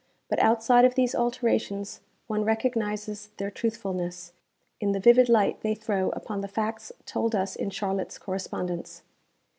But outside of these alterations, one recognises their truthfulness, in the vivid light they throw upon the facts told us in Charlotte's correspondence.